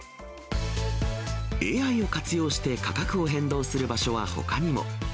ＡＩを活用して価格を変動する場所はほかにも。